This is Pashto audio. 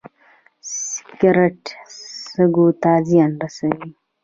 سګرټ سږو ته زیان رسوي